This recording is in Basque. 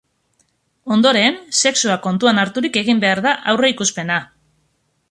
Ondoren, sexua kontuan harturik egin behar da aurreikuspena.